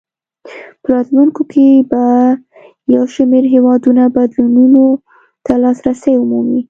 په راتلونکو کې به یو شمېر هېوادونه بدلونونو ته لاسرسی ومومي.